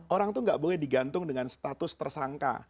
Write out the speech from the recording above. orang itu nggak boleh digantung dengan status tersangka